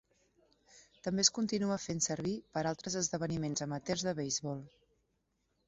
També es continua fent servir per altres esdeveniments amateurs de beisbol.